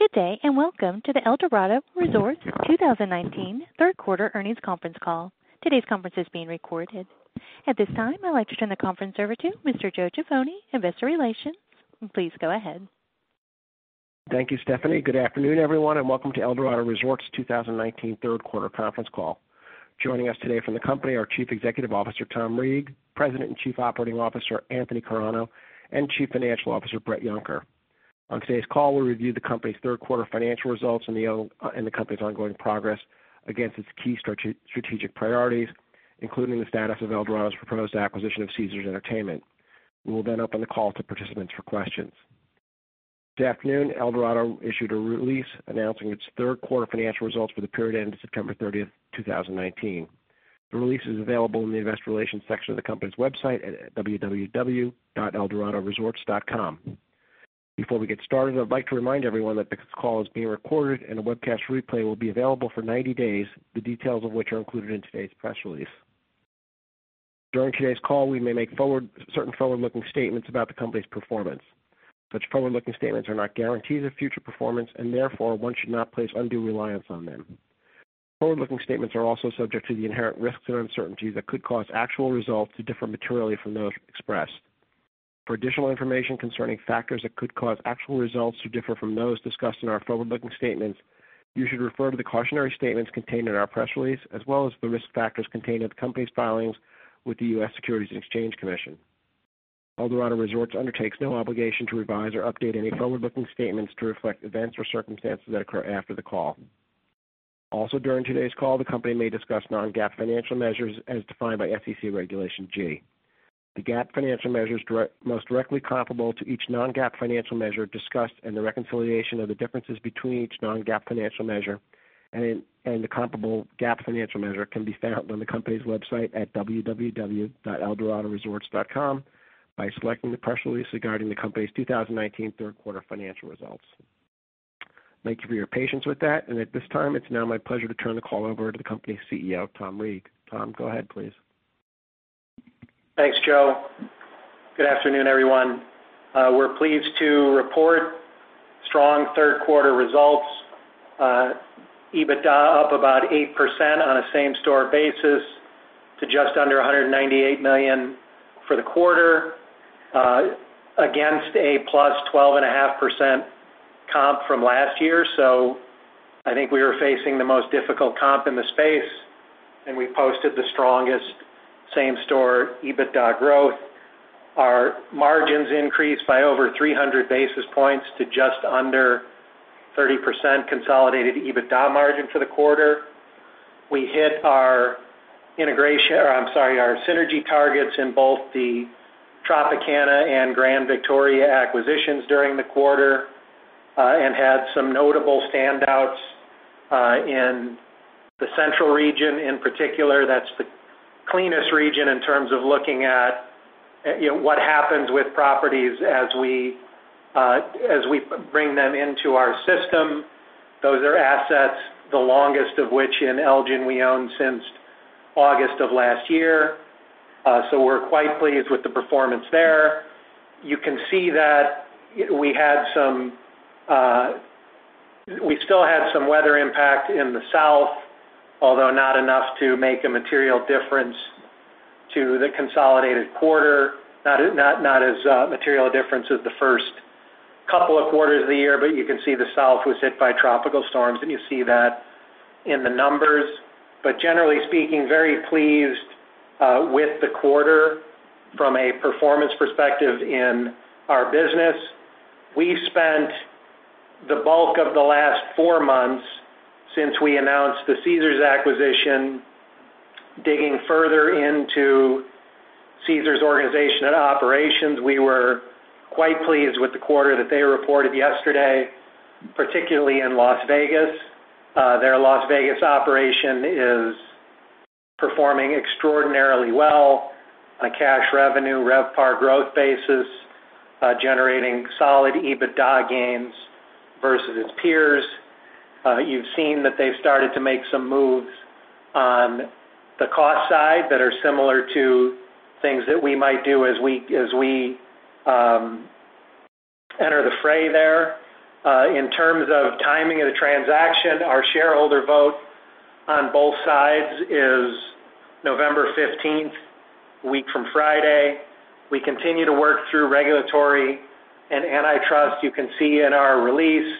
Good day, and welcome to the Eldorado Resorts 2019 third quarter earnings conference call. Today's conference is being recorded. At this time, I'd like to turn the conference over to Mr. Joseph Jaffoni, investor relations. Please go ahead. Thank you, Stephanie. Good afternoon, everyone, and welcome to Eldorado Resorts 2019 third quarter conference call. Joining us today from the company are Chief Executive Officer, Tom Reeg, President and Chief Operating Officer, Anthony Carano, and Chief Financial Officer, Bret Yunker. On today's call, we'll review the company's third quarter financial results and the company's ongoing progress against its key strategic priorities, including the status of Eldorado's proposed acquisition of Caesars Entertainment. We will then open the call to participants for questions. This afternoon, Eldorado issued a release announcing its third quarter financial results for the period ending September 30, 2019. The release is available in the investor relations section of the company's website at www.eldoradoresorts.com. Before we get started, I'd like to remind everyone that this call is being recorded, and a webcast replay will be available for 90 days, the details of which are included in today's press release. During today's call, we may make certain forward-looking statements about the company's performance. Such forward-looking statements are not guarantees of future performance, and therefore, one should not place undue reliance on them. Forward-looking statements are also subject to the inherent risks and uncertainties that could cause actual results to differ materially from those expressed. For additional information concerning factors that could cause actual results to differ from those discussed in our forward-looking statements, you should refer to the cautionary statements contained in our press release, as well as the risk factors contained in the company's filings with the U.S. Securities and Exchange Commission. Eldorado Resorts undertakes no obligation to revise or update any forward-looking statements to reflect events or circumstances that occur after the call. Also, during today's call, the company may discuss non-GAAP financial measures as defined by SEC Regulation G. The GAAP financial measures most directly comparable to each non-GAAP financial measure discussed and the reconciliation of the differences between each non-GAAP financial measure and the comparable GAAP financial measure can be found on the company's website at www.eldoradoresorts.com by selecting the press release regarding the company's 2019 third quarter financial results. Thank you for your patience with that, and at this time, it's now my pleasure to turn the call over to the company's CEO, Tom Reeg. Tom, go ahead, please. Thanks, Joe. Good afternoon, everyone. We're pleased to report strong third quarter results, EBITDA up about 8% on a same-store basis to just under $198 million for the quarter, against a plus 12.5% comp from last year. I think we were facing the most difficult comp in the space, and we posted the strongest same-store EBITDA growth. Our margins increased by over 300 basis points to just under 30% consolidated EBITDA margin for the quarter. We hit our synergy targets in both the Tropicana and Grand Victoria acquisitions during the quarter, and had some notable standouts, in the central region in particular. That's the cleanest region in terms of looking at what happens with properties as we bring them into our system. Those are assets, the longest of which, in Elgin, we owned since August of last year. We're quite pleased with the performance there. You can see that we still had some weather impact in the south, although not enough to make a material difference to the consolidated quarter, not as material a difference as the first couple of quarters of the year. You can see the south was hit by tropical storms, and you see that in the numbers. Generally speaking, very pleased with the quarter from a performance perspective in our business. We've spent the bulk of the last four months since we announced the Caesars acquisition, digging further into Caesars' organization and operations. We were quite pleased with the quarter that they reported yesterday, particularly in Las Vegas. Their Las Vegas operation is performing extraordinarily well on cash revenue, RevPAR growth basis, generating solid EBITDA gains versus its peers. You've seen that they've started to make some moves on the cost side that are similar to things that we might do as we enter the fray there. In terms of timing of the transaction, our shareholder vote on both sides is November 15th, a week from Friday. We continue to work through regulatory and antitrust. You can see in our release,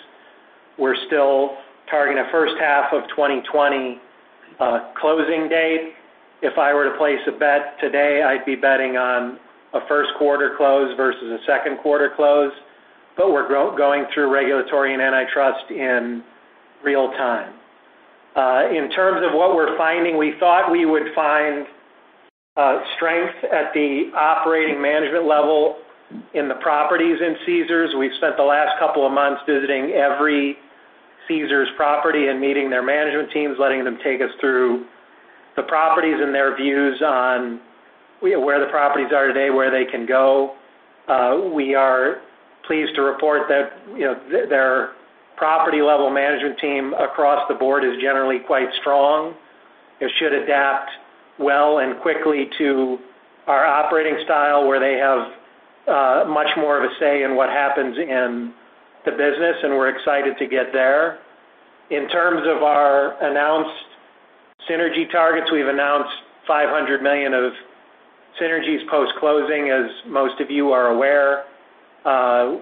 we're still targeting a first half of 2020 closing date. If I were to place a bet today, I'd be betting on a first quarter close versus a second quarter close. We're going through regulatory and antitrust in real-time. In terms of what we're finding, we thought we would find strength at the operating management level in the properties in Caesars. We've spent the last couple of months visiting every Caesars property and meeting their management teams, letting them take us through the properties and their views on where the properties are today, where they can go. We are pleased to report that their property-level management team across the board is generally quite strong. They should adapt well and quickly to our operating style, where they have much more of a say in what happens in the business, and we're excited to get there. In terms of our announced synergy targets, we've announced $500 million of synergies post-closing, as most of you are aware.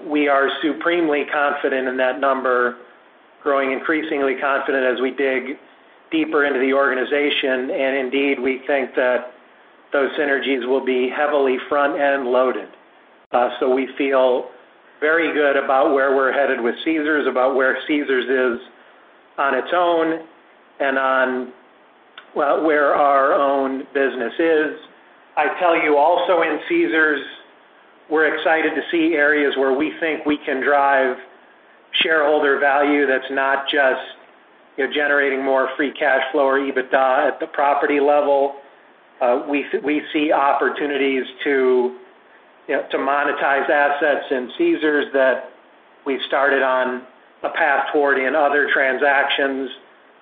We are supremely confident in that number, growing increasingly confident as we dig deeper into the organization. Indeed, we think that those synergies will be heavily front-end loaded. We feel very good about where we're headed with Caesars, about where Caesars is on its own, and on where our own business is. I tell you also in Caesars, we're excited to see areas where we think we can drive shareholder value that's not just generating more free cash flow or EBITDA at the property level. We see opportunities to monetize assets in Caesars that we've started on a path toward in other transactions,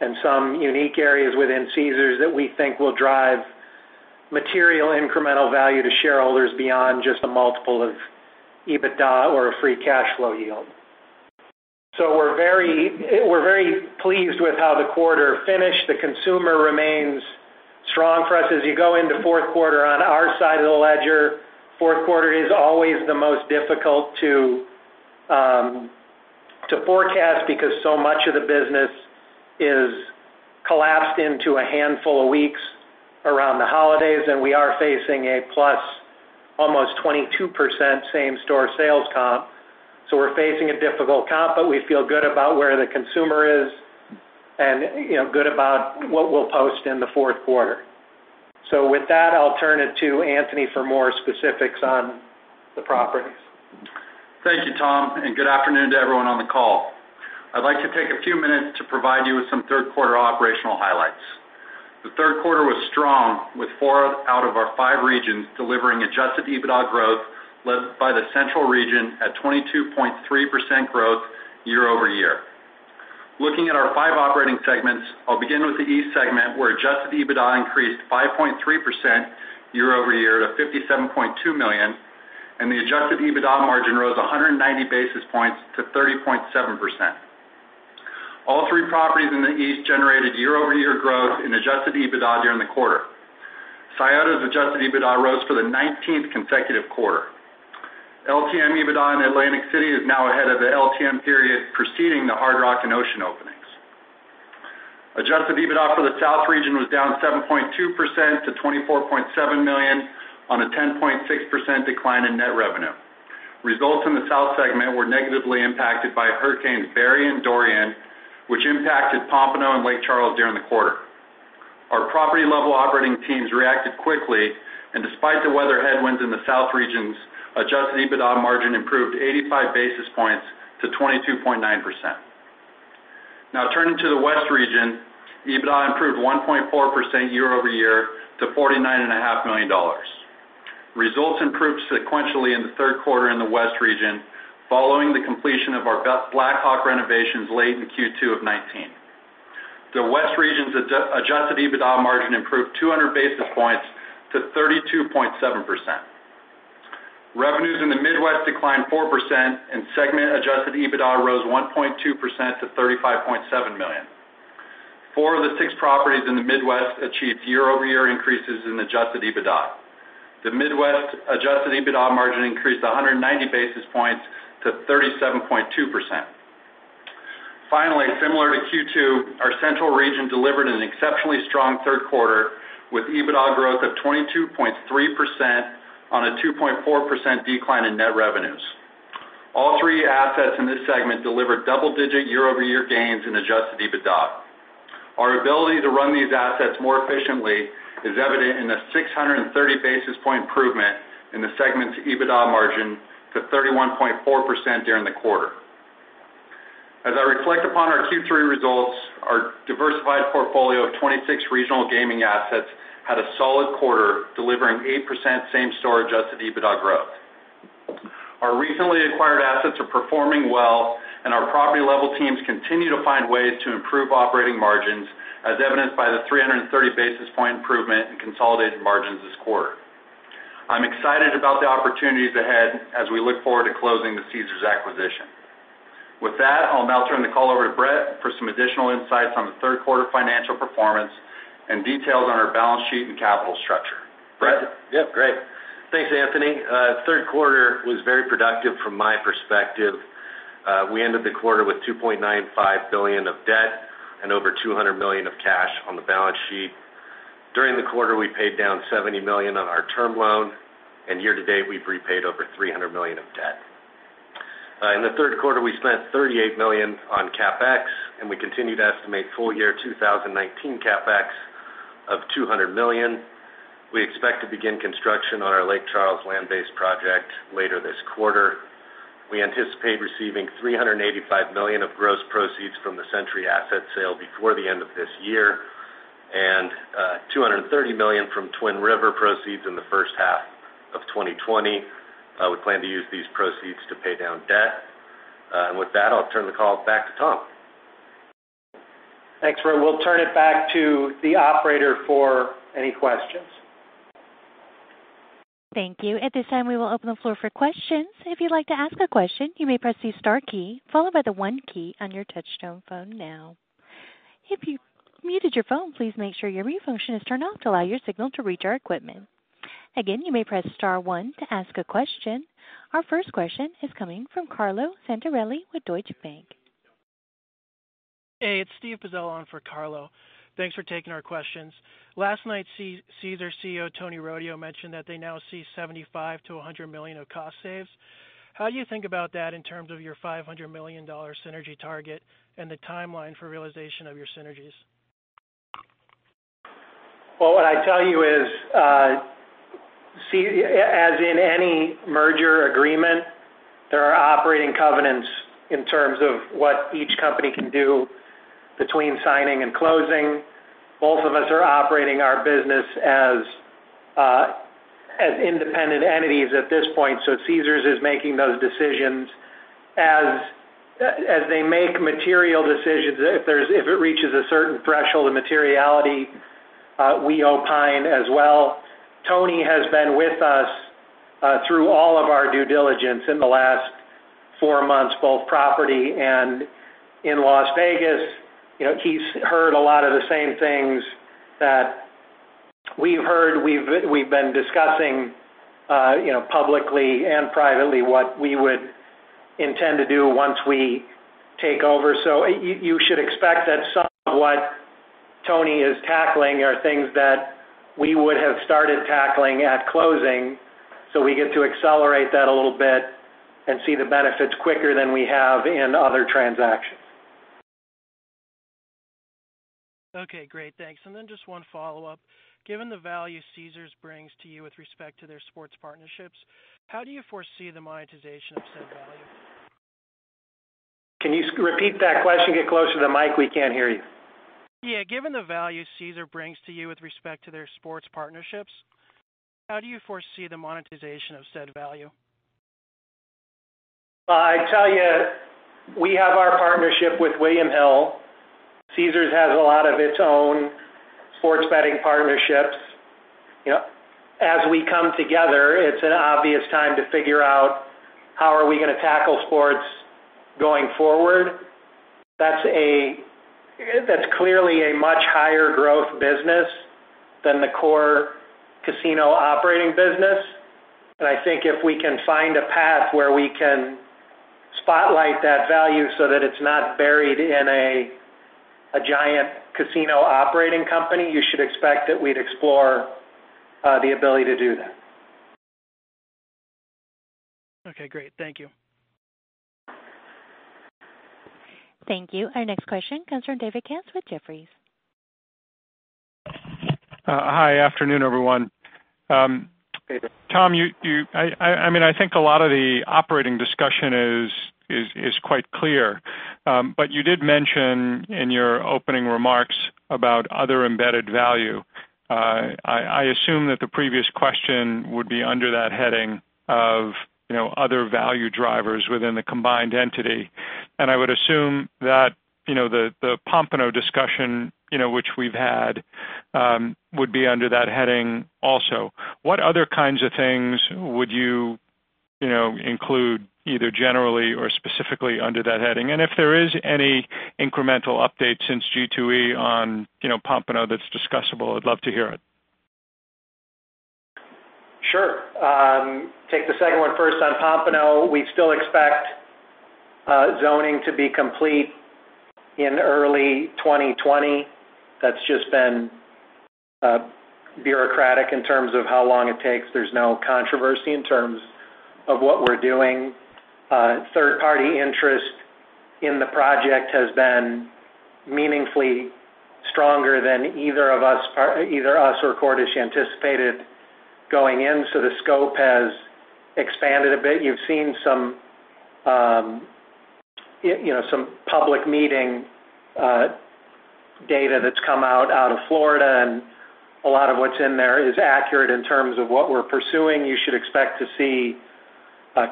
and some unique areas within Caesars that we think will drive material incremental value to shareholders beyond just a multiple of EBITDA or a free cash flow yield. We're very pleased with how the quarter finished. The consumer remains strong for us as you go into fourth quarter. On our side of the ledger, fourth quarter is always the most difficult to forecast because so much of the business is collapsed into a handful of weeks around the holidays, and we are facing a plus almost 22% same-store sales comp. We're facing a difficult comp, but we feel good about where the consumer is and good about what we'll post in the fourth quarter. With that, I'll turn it to Anthony for more specifics on the properties. Thank you, Tom, and good afternoon to everyone on the call. I'd like to take a few minutes to provide you with some third quarter operational highlights. The third quarter was strong with four out of our five regions delivering adjusted EBITDA growth, led by the Central region at 22.3% growth year-over-year. Looking at our five operating segments, I'll begin with the East segment, where adjusted EBITDA increased 5.3% year-over-year to $57.2 million, and the adjusted EBITDA margin rose 190 basis points to 30.7%. All three properties in the East generated year-over-year growth in adjusted EBITDA during the quarter. Scioto's adjusted EBITDA rose for the 19th consecutive quarter. LTM EBITDA in Atlantic City is now ahead of the LTM period preceding the Hard Rock and Ocean openings. Adjusted EBITDA for the South region was down 7.2% to $24.7 million on a 10.6% decline in net revenue. Results in the South segment were negatively impacted by Hurricanes Barry and Dorian, which impacted Pompano and Lake Charles during the quarter. Our property-level operating teams reacted quickly. Despite the weather headwinds in the South region's adjusted EBITDA margin improved 85 basis points to 22.9%. Turning to the West region, EBITDA improved 1.4% year-over-year to $49.5 million. Results improved sequentially in the third quarter in the West region, following the completion of our Black Hawk renovations late in Q2 of 2019. The West region's adjusted EBITDA margin improved 200 basis points to 32.7%. Revenues in the Midwest declined 4%. Segment adjusted EBITDA rose 1.2% to $35.7 million. Four of the six properties in the Midwest achieved year-over-year increases in adjusted EBITDA. The Midwest adjusted EBITDA margin increased 190 basis points to 37.2%. Similar to Q2, our Central region delivered an exceptionally strong third quarter with EBITDA growth of 22.3% on a 2.4% decline in net revenues. All three assets in this segment delivered double-digit year-over-year gains in adjusted EBITDA. Our ability to run these assets more efficiently is evident in the 630 basis point improvement in the segment's EBITDA margin to 31.4% during the quarter. As I reflect upon our Q3 results, our diversified portfolio of 26 regional gaming assets had a solid quarter, delivering 8% same-store adjusted EBITDA growth. Our recently acquired assets are performing well, our property-level teams continue to find ways to improve operating margins, as evidenced by the 330 basis point improvement in consolidated margins this quarter. I'm excited about the opportunities ahead as we look forward to closing the Caesars acquisition. With that, I'll now turn the call over to Bret for some additional insights on the third quarter financial performance and details on our balance sheet and capital structure. Bret? Yep, great. Thanks, Anthony. Third quarter was very productive from my perspective. We ended the quarter with $2.95 billion of debt and over $200 million of cash on the balance sheet. During the quarter, we paid down $70 million on our term loan, and year-to-date, we've repaid over $300 million of debt. In the third quarter, we spent $38 million on CapEx, and we continue to estimate full-year 2019 CapEx of $200 million. We expect to begin construction on our Lake Charles land-based project later this quarter. We anticipate receiving $385 million of gross proceeds from the Century asset sale before the end of this year, and $230 million from Twin River proceeds in the first half of 2020. We plan to use these proceeds to pay down debt. With that, I'll turn the call back to Tom. Thanks, Bret. We'll turn it back to the operator for any questions. Thank you. At this time, we will open the floor for questions. If you'd like to ask a question, you may press the star key, followed by the one key on your touchtone phone now. If you muted your phone, please make sure your mute function is turned off to allow your signal to reach our equipment. Again, you may press star one to ask a question. Our first question is coming from Carlo Santarelli with Deutsche Bank. Hey, it's Steve Pizzello on for Carlo. Thanks for taking our questions. Last night, Caesars CEO Tony Rodio mentioned that they now see $75 million-$100 million of cost saves. How do you think about that in terms of your $500 million synergy target and the timeline for realization of your synergies? What I'd tell you is, as in any merger agreement, there are operating covenants in terms of what each company can do between signing and closing. Both of us are operating our business as independent entities at this point, so Caesars is making those decisions. As they make material decisions, if it reaches a certain threshold of materiality, we opine as well. Tony has been with us through all of our due diligence in the last four months, both property and in Las Vegas. He's heard a lot of the same things that we've heard. We've been discussing publicly and privately what we would intend to do once we take over. You should expect that some of what Tony is tackling are things that we would have started tackling at closing. We get to accelerate that a little bit and see the benefits quicker than we have in other transactions. Okay, great. Thanks. Just one follow-up. Given the value Caesars brings to you with respect to their sports partnerships, how do you foresee the monetization of said value? Can you repeat that question? Get closer to the mic. We can't hear you. Yeah. Given the value Caesars brings to you with respect to their sports partnerships, how do you foresee the monetization of said value? I tell you, we have our partnership with William Hill. Caesars has a lot of its own sports betting partnerships. As we come together, it's an obvious time to figure out how are we going to tackle sports going forward. That's clearly a much higher growth business than the core casino operating business. I think if we can find a path where we can spotlight that value so that it's not buried in a giant casino operating company, you should expect that we'd explore the ability to do that. Okay, great. Thank you. Thank you. Our next question comes from David Katz with Jefferies. Hi. Afternoon, everyone. Hey, David. Tom, I think a lot of the operating discussion is quite clear. You did mention in your opening remarks about other embedded value. I assume that the previous question would be under that heading of other value drivers within the combined entity. I would assume that the Pompano discussion, which we've had, would be under that heading also. What other kinds of things would you include either generally or specifically under that heading? If there is any incremental update since G2E on Pompano that's discussable, I'd love to hear it. Sure. Take the second one first on Pompano. We still expect zoning to be complete in early 2020. That's just been bureaucratic in terms of how long it takes. There's no controversy in terms of what we're doing. Third-party interest in the project has been meaningfully stronger than either us or Cordish anticipated going in. The scope has expanded a bit. You've seen some public meeting data that's come out of Florida, and a lot of what's in there is accurate in terms of what we're pursuing. You should expect to see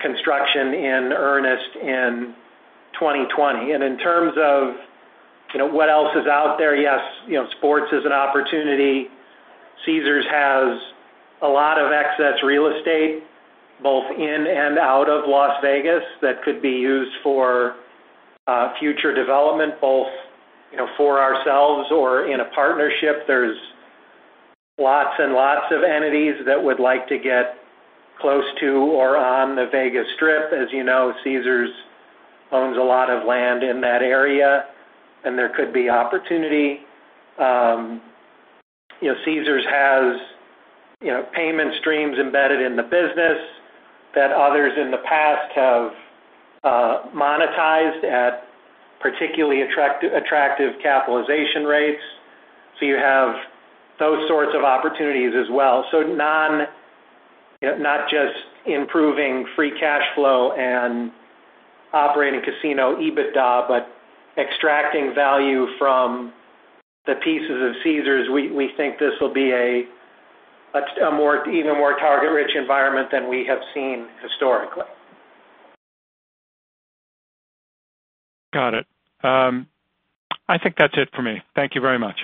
construction in earnest in 2020. In terms of what else is out there, yes, sports is an opportunity. Caesars has a lot of excess real estate, both in and out of Las Vegas, that could be used for future development, both for ourselves or in a partnership. There's lots and lots of entities that would like to get close to or on the Vegas Strip. As you know, Caesars owns a lot of land in that area, and there could be opportunity. Caesars has payment streams embedded in the business that others in the past have monetized at particularly attractive capitalization rates. You have those sorts of opportunities as well. Not just improving free cash flow and operating casino EBITDA, but extracting value from the pieces of Caesars. We think this will be an even more target-rich environment than we have seen historically. Got it. I think that's it for me. Thank you very much.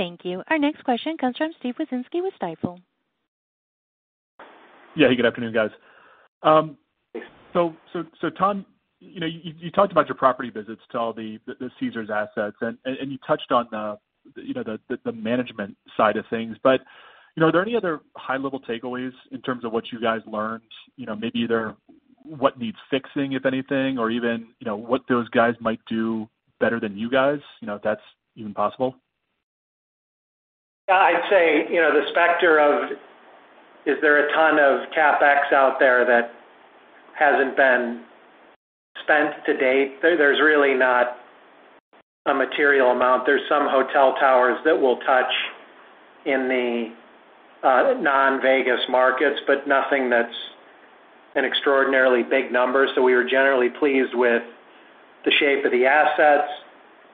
Thank you. Our next question comes from Steve Wieczynski with Stifel. Yeah. Good afternoon, guys. Tom, you talked about your property visits to all the Caesars assets, and you touched on the management side of things. Are there any other high-level takeaways in terms of what you guys learned? Maybe either what needs fixing, if anything, or even what those guys might do better than you guys, if that's even possible. I'd say, the specter of, is there a ton of CapEx out there that hasn't been spent to date? There's really not a material amount. There's some hotel towers that we'll touch in the non-Vegas markets, but nothing that's an extraordinarily big number. We are generally pleased with the shape of the assets.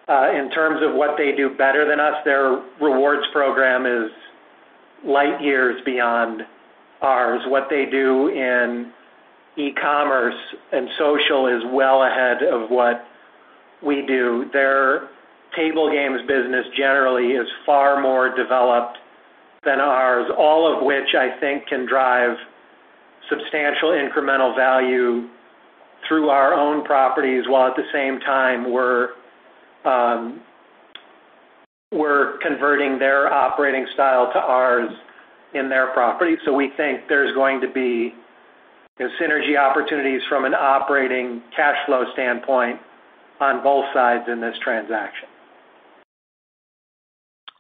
In terms of what they do better than us, their Rewards Program is light years beyond ours. What they do in e-commerce and social is well ahead of what we do. Their table games business generally is far more developed than ours, all of which I think can drive substantial incremental value through our own properties, while at the same time we're converting their operating style to ours in their property. We think there's going to be synergy opportunities from an operating cash flow standpoint on both sides in this transaction.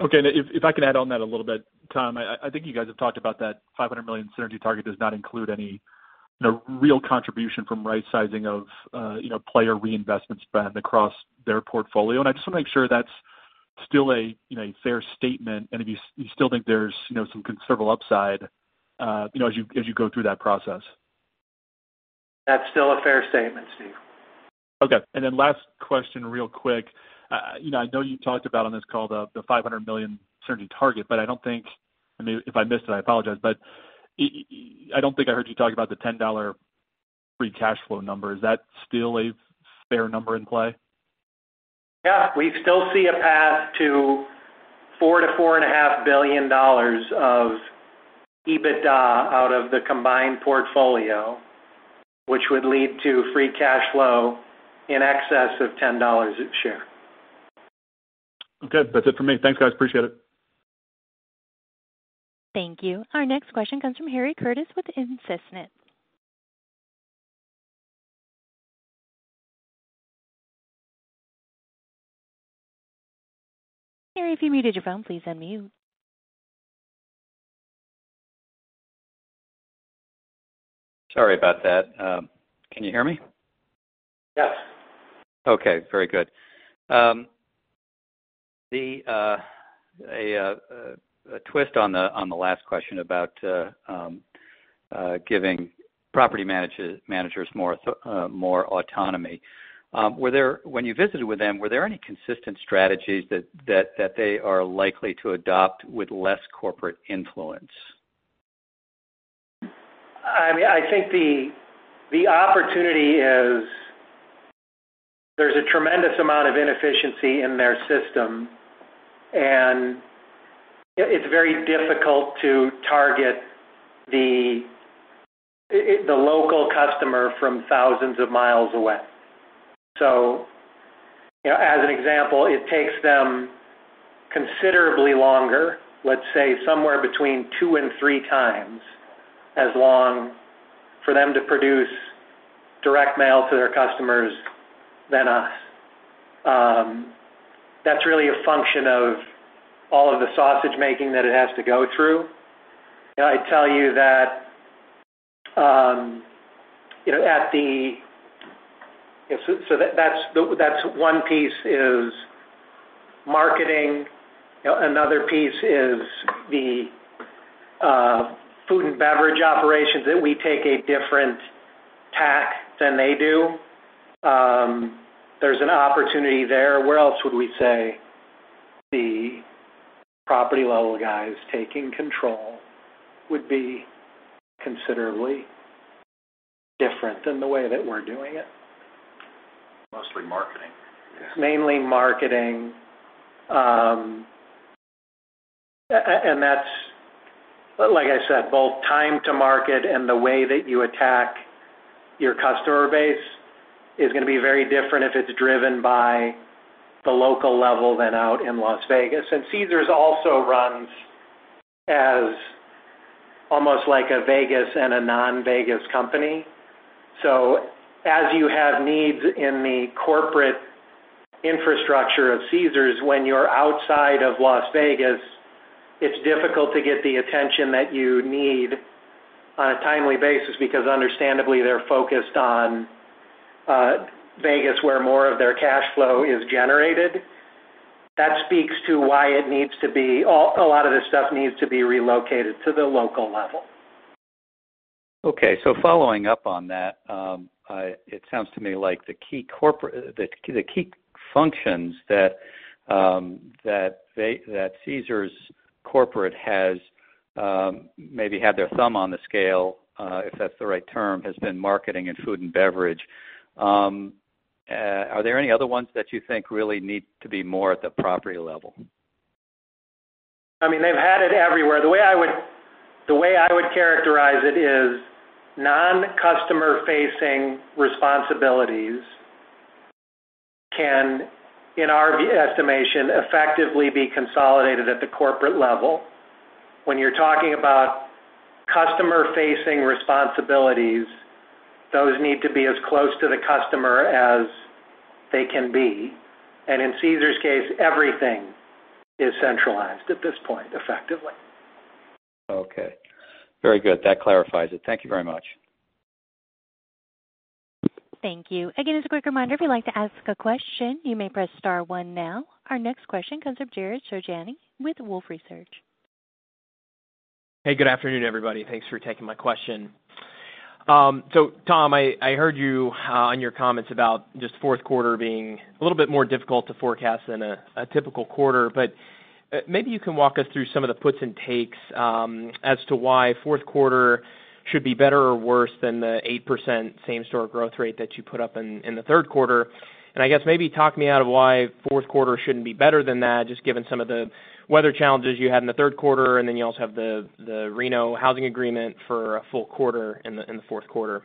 Okay. If I can add on that a little bit, Tom, I think you guys have talked about that $500 million synergy target does not include any real contribution from right-sizing of player reinvestment spend across their portfolio, and I just want to make sure that's still a fair statement, and if you still think there's some considerable upside as you go through that process. That's still a fair statement, Steve. Okay. Last question real quick. I know you talked about on this call the $500 million synergy target, but I don't think, if I missed it, I apologize, but I don't think I heard you talk about the $10 free cash flow number. Is that still a fair number in play? Yeah. We still see a path to $4 billion-$4.5 billion of EBITDA out of the combined portfolio, which would lead to free cash flow in excess of $10 a share. Okay. That's it for me. Thanks, guys. Appreciate it. Thank you. Our next question comes from Harry Curtis with Instinet. Harry, if you muted your phone, please unmute. Sorry about that. Can you hear me? Yes. Okay, very good. A twist on the last question about giving property managers more autonomy. When you visited with them, were there any consistent strategies that they are likely to adopt with less corporate influence? I think the opportunity is there's a tremendous amount of inefficiency in their system. It's very difficult to target the local customer from thousands of miles away. As an example, it takes them considerably longer, let's say somewhere between 2 and 3 times as long, for them to produce direct mail to their customers than us. That's really a function of all of the sausage-making that it has to go through. I'd tell you that one piece is marketing. Another piece is the food and beverage operations, that we take a different tack than they do. There's an opportunity there. Where else would we say the property level guys taking control would be considerably different than the way that we're doing it? Mostly marketing. Mainly marketing. That's, like I said, both time to market and the way that you attack your customer base is going to be very different if it's driven by the local level than out in Las Vegas. Caesars also runs as almost like a Vegas and a non-Vegas company. As you have needs in the corporate infrastructure of Caesars, when you're outside of Las Vegas, it's difficult to get the attention that you need on a timely basis because understandably, they're focused on Vegas, where more of their cash flow is generated. That speaks to why a lot of this stuff needs to be relocated to the local level. Following up on that, it sounds to me like the key functions that Caesars corporate has maybe had their thumb on the scale, if that's the right term, has been marketing and food and beverage. Are there any other ones that you think really need to be more at the property level? They've had it everywhere. The way I would characterize it is non-customer facing responsibilities can, in our estimation, effectively be consolidated at the corporate level. When you're talking about customer facing responsibilities, those need to be as close to the customer as they can be. In Caesars case, everything is centralized at this point effectively. Okay. Very good. That clarifies it. Thank you very much. Thank you. Again, as a quick reminder, if you'd like to ask a question, you may press star one now. Our next question comes from Jared Shojaian with Wolfe Research. Hey, good afternoon, everybody. Thanks for taking my question. Tom, I heard you on your comments about just fourth quarter being a little bit more difficult to forecast than a typical quarter, but maybe you can walk us through some of the puts and takes, as to why fourth quarter should be better or worse than the 8% same store growth rate that you put up in the third quarter. I guess maybe talk me out of why fourth quarter shouldn't be better than that, just given some of the weather challenges you had in the third quarter. You also have the Reno housing agreement for a full quarter in the fourth quarter.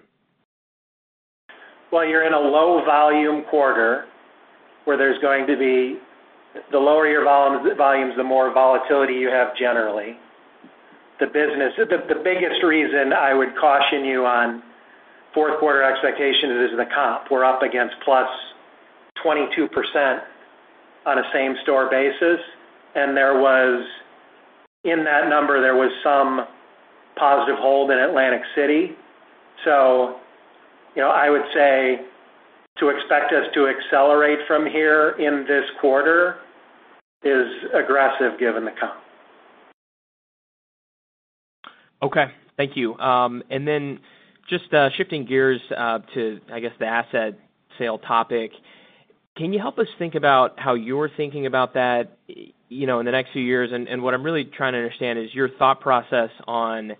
Well, you're in a low volume quarter where the lower your volumes, the more volatility you have generally. The biggest reason I would caution you on fourth quarter expectations is the comp. We're up against +22% on a same store basis, and in that number, there was some positive hold in Atlantic City. I would say to expect us to accelerate from here in this quarter is aggressive given the comp. Okay, thank you. Just shifting gears to, I guess, the asset sale topic. Can you help us think about how you're thinking about that in the next few years? What I'm really trying to understand is your thought process on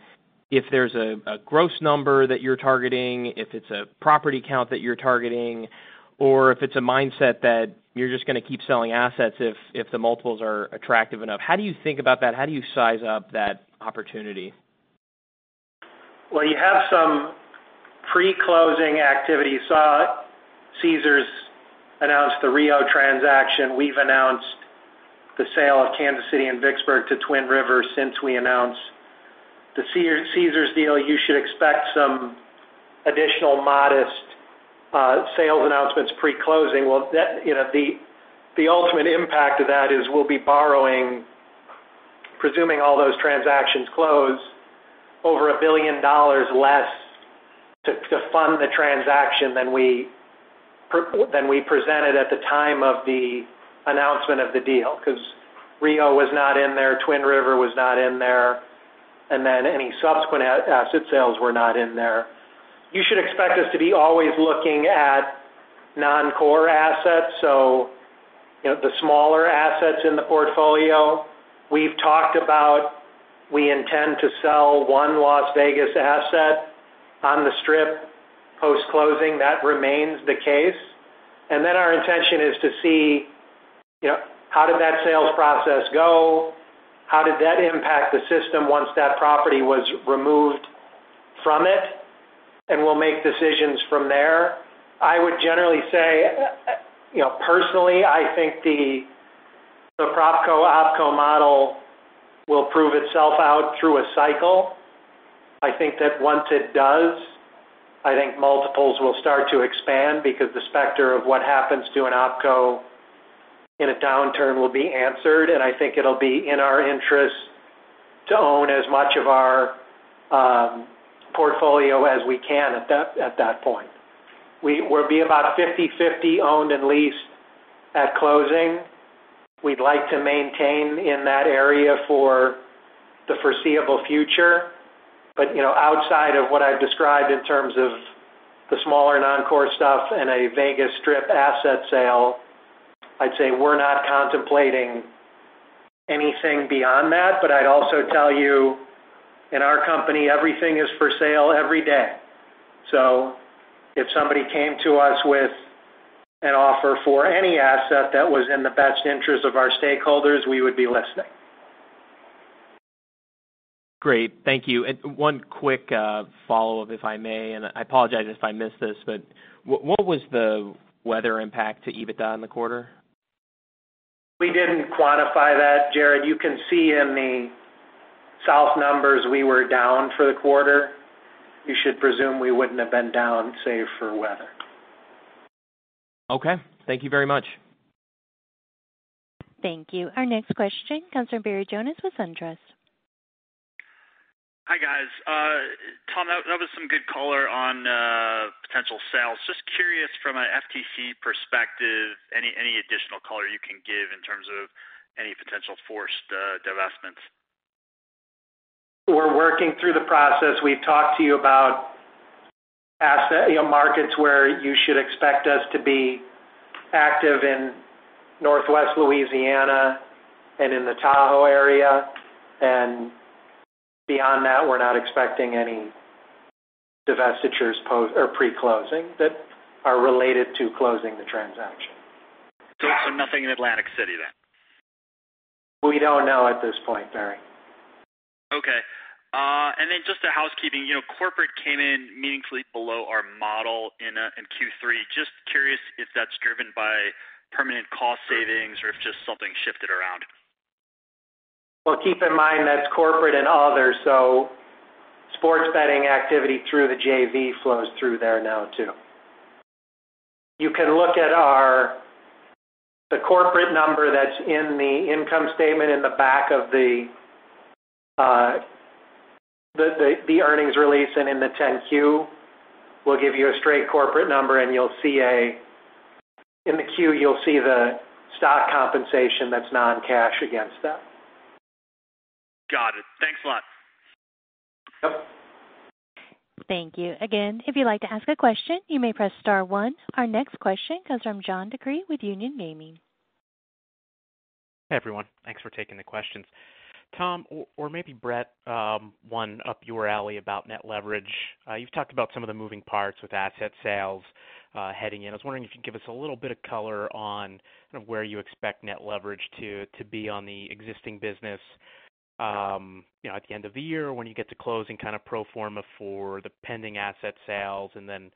if there's a gross number that you're targeting, if it's a property count that you're targeting, or if it's a mindset that you're just going to keep selling assets if the multiples are attractive enough. How do you think about that? How do you size up that opportunity? You have some pre-closing activity. You saw Caesars announce the Rio transaction. We've announced the sale of Kansas City and Vicksburg to Twin River since we announced the Caesars deal. You should expect some additional modest sales announcements pre-closing. The ultimate impact of that is we'll be borrowing, presuming all those transactions close, over $1 billion less to fund the transaction than we presented at the time of the announcement of the deal, because Rio was not in there, Twin River was not in there. Any subsequent asset sales were not in there. You should expect us to be always looking at non-core assets. The smaller assets in the portfolio. We've talked about we intend to sell one Las Vegas asset on the Strip post-closing. That remains the case. Our intention is to see how did that sales process go? How did that impact the system once that property was removed from it? We'll make decisions from there. I would generally say, personally, I think the PropCo OpCo model will prove itself out through a cycle. I think that once it does, I think multiples will start to expand because the specter of what happens to an OpCo in a downturn will be answered. I think it'll be in our interest to own as much of our portfolio as we can at that point. We'll be about 50/50 owned and leased at closing. We'd like to maintain in that area for the foreseeable future. Outside of what I've described in terms of the smaller non-core stuff and a Vegas Strip asset sale, I'd say we're not contemplating anything beyond that. I'd also tell you, in our company, everything is for sale every day. If somebody came to us with an offer for any asset that was in the best interest of our stakeholders, we would be listening. Great. Thank you. One quick follow-up, if I may, and I apologize if I missed this, but what was the weather impact to EBITDA in the quarter? We didn't quantify that, Jared. You can see in the South numbers, we were down for the quarter. You should presume we wouldn't have been down save for weather. Okay. Thank you very much. Thank you. Our next question comes from Barry Jonas with SunTrust. Hi, guys. Tom, that was some good color potential sales, just curious from an FTC perspective, any additional color you can give in terms of any potential forced divestments? We're working through the process. We've talked to you about markets where you should expect us to be active in Northwest Louisiana and in the Tahoe area. Beyond that, we're not expecting any divestitures pre-closing that are related to closing the transaction. Nothing in Atlantic City then? We don't know at this point, Barry. Okay. Just a housekeeping. Corporate came in meaningfully below our model in Q3. Just curious if that's driven by permanent cost savings or if just something shifted around. Keep in mind that's corporate and others, so sports betting activity through the JV flows through there now too. You can look at the corporate number that's in the income statement in the back of the earnings release and in the 10-Q will give you a straight corporate number, and in the Q you'll see the stock compensation that's non-cash against that. Got it. Thanks a lot. Yep. Thank you. Again, if you'd like to ask a question, you may press star one. Our next question comes from John DeCree with Union Gaming. Hey, everyone. Thanks for taking the questions. Tom, or maybe Bret, one up your alley about net leverage. You've talked about some of the moving parts with asset sales heading in. I was wondering if you could give us a little bit of color on where you expect net leverage to be on the existing business, at the end of the year when you get to closing kind of pro forma for the pending asset sales, and then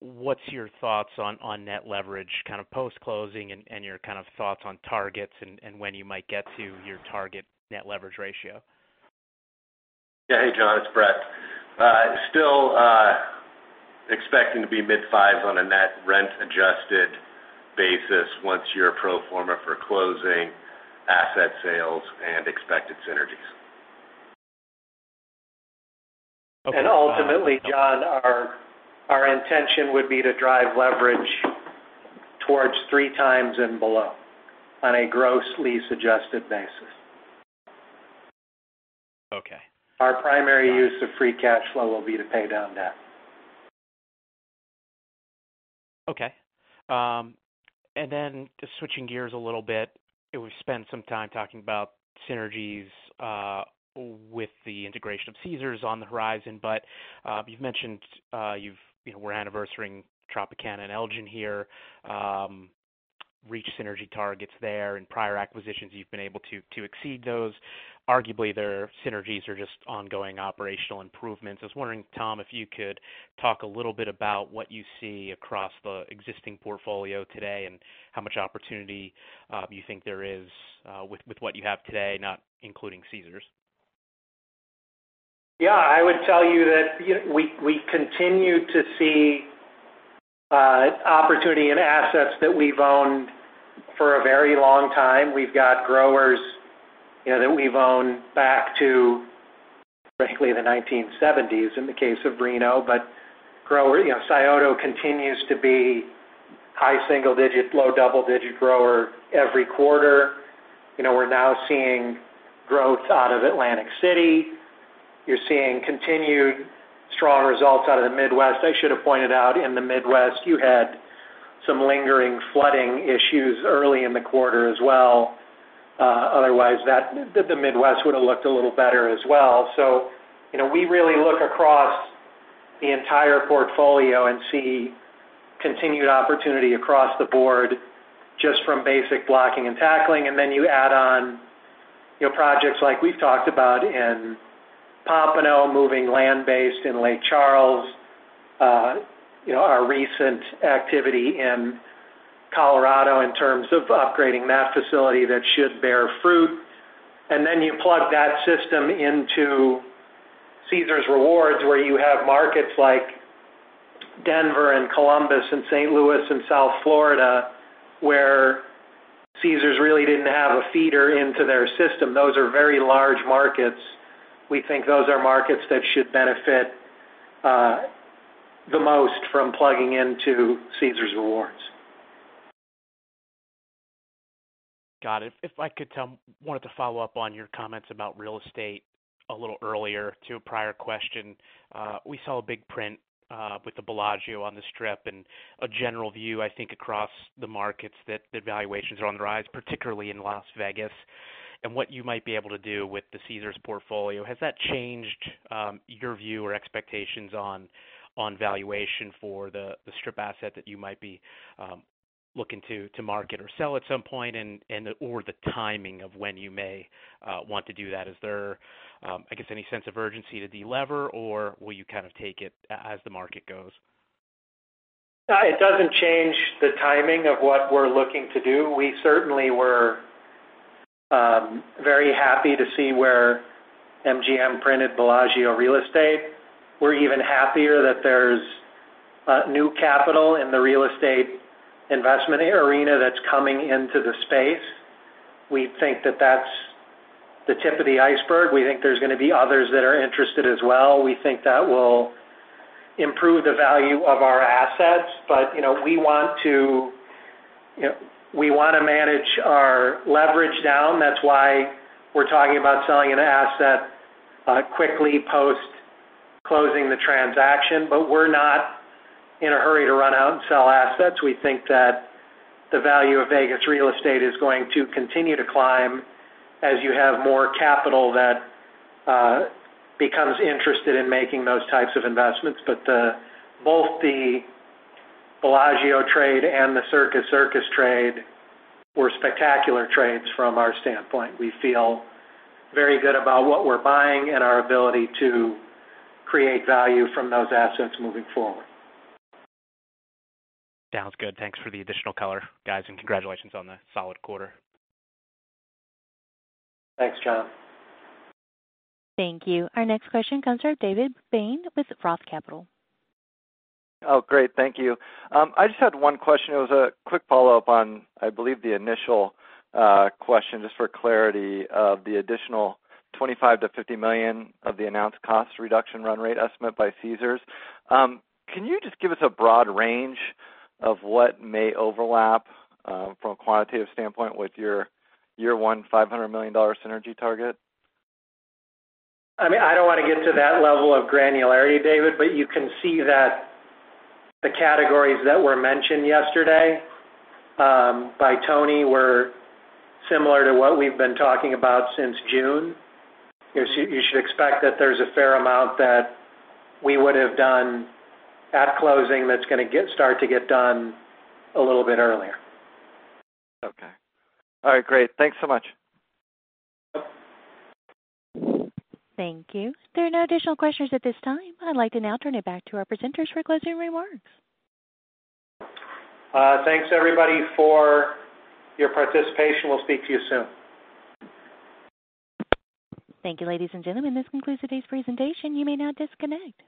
what's your thoughts on net leverage kind of post-closing and your kind of thoughts on targets and when you might get to your target net leverage ratio? Yeah. Hey, John, it's Bret. Still expecting to be mid fives on a net rent adjusted basis once you're pro forma for closing asset sales and expected synergies. Okay. Ultimately, John, our intention would be to drive leverage towards 3x and below on a gross lease adjusted basis. Okay. Our primary use of free cash flow will be to pay down debt. Okay. Just switching gears a little bit, we've spent some time talking about synergies with the integration of Caesars on the horizon, you've mentioned we're anniversarying Tropicana and Elgin here, reach synergy targets there. In prior acquisitions, you've been able to exceed those. Arguably, their synergies are just ongoing operational improvements. I was wondering, Tom, if you could talk a little bit about what you see across the existing portfolio today and how much opportunity you think there is with what you have today, not including Caesars. Yeah, I would tell you that we continue to see opportunity in assets that we've owned for a very long time. We've got growers that we've owned back to, frankly, the 1970s in the case of Reno. Scioto continues to be high single digit, low double digit grower every quarter. We're now seeing growth out of Atlantic City. You're seeing continued strong results out of the Midwest. I should have pointed out in the Midwest, you had some lingering flooding issues early in the quarter as well. Otherwise, the Midwest would have looked a little better as well. We really look across the entire portfolio and see continued opportunity across the board just from basic blocking and tackling. You add on projects like we've talked about in Pompano, moving land-based in Lake Charles, our recent activity in Colorado in terms of upgrading that facility that should bear fruit. You plug that system into Caesars Rewards, where you have markets like Denver and Columbus and St. Louis and South Florida, where Caesars really didn't have a feeder into their system. Those are very large markets. We think those are markets that should benefit the most from plugging into Caesars Rewards. Got it. If I could, Tom, wanted to follow up on your comments about real estate a little earlier to a prior question. We saw a big print with the Bellagio on the Strip and a general view, I think, across the markets that the valuations are on the rise, particularly in Las Vegas. What you might be able to do with the Caesars portfolio. Has that changed your view or expectations on valuation for the Strip asset that you might be looking to market or sell at some point and/or the timing of when you may want to do that? Is there, I guess, any sense of urgency to delever or will you kind of take it as the market goes? It doesn't change the timing of what we're looking to do. We certainly were very happy to see where MGM printed Bellagio real estate. We're even happier that there's new capital in the real estate investment arena that's coming into the space. We think that that's the tip of the iceberg. We think there's going to be others that are interested as well. We think that will improve the value of our assets, but we want to manage our leverage down. That's why we're talking about selling an asset quickly post-closing the transaction. We're not in a hurry to run out and sell assets. We think that the value of Vegas real estate is going to continue to climb as you have more capital that becomes interested in making those types of investments. Both the Bellagio trade and the Circus Circus trade were spectacular trades from our standpoint. We feel very good about what we're buying and our ability to create value from those assets moving forward. Sounds good. Thanks for the additional color, guys, and congratulations on the solid quarter. Thanks, John. Thank you. Our next question comes from David Bain with Roth Capital. Oh, great. Thank you. I just had one question. It was a quick follow-up on, I believe, the initial question, just for clarity of the additional $25 million-$50 million of the announced cost reduction run rate estimate by Caesars. Can you just give us a broad range of what may overlap, from a quantitative standpoint, with your year one $500 million synergy target? I don't want to get to that level of granularity, David, but you can see that the categories that were mentioned yesterday by Tony were similar to what we've been talking about since June. You should expect that there's a fair amount that we would have done at closing that's going to start to get done a little bit earlier. Okay. All right, great. Thanks so much. Yep. Thank you. There are no additional questions at this time. I'd like to now turn it back to our presenters for closing remarks. Thanks everybody for your participation. We'll speak to you soon. Thank you, ladies and gentlemen. This concludes today's presentation. You may now disconnect.